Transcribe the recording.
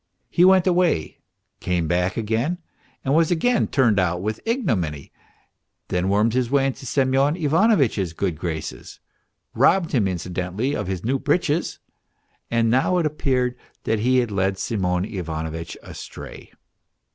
He went away, came back again, was again turned out with ignominy, then wormed his way into Semyon Ivanovitch's good graces, robbed him incidentally of his new breeches, and now it appeared he had led Semyon Ivanovitch astray.